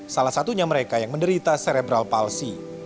salah satunya mereka yang menderita serebral palsi